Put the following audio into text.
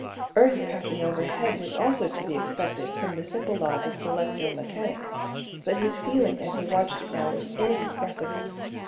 Earth passing overhead was also to be expected from the simple laws of celestial mechanics but his feeling as he watched it now was inexpressible.